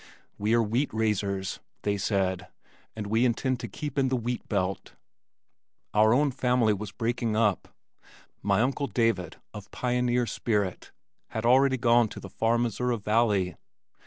"We are wheat raisers," they said, "and we intend to keep in the wheat belt." Our own family group was breaking up. My uncle David of pioneer spirit had already gone to the far Missouri Valley.